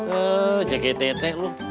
oh jktt lu